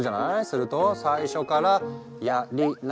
すると最初からや・り・な